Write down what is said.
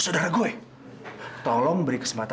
tidak patut bercanda dia